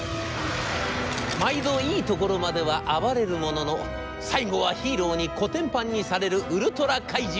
毎度いいところまでは暴れるものの最後はヒーローにこてんぱんにされるウルトラ怪獣。